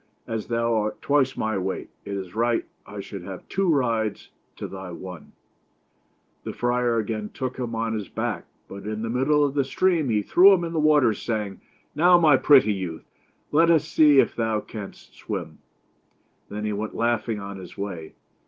As thou art twice my weight, it is right I should have two rides to thy one." THE STORY OF ROBIN HOOD. The friar again took him on his back, but in the middle of the stream he threw him in the water, saying: " Now, my pretty youth, let us see if thou canst swim." Then he went laughing on his way.